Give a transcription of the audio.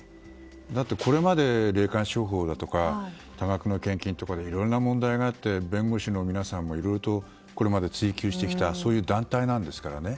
だって、これまで霊感商法だとか多額の献金とかでいろいろな問題があって弁護士の皆さんもこれまで追及してきた団体なんですからね。